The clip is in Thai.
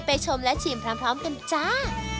ชมและชิมพร้อมกันจ้า